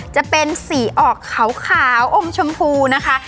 จะเป็นสีออกขาวอมชมพูนะคะ